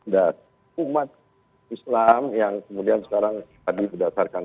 dan umat islam yang kemudian sekarang tadi berdasarkan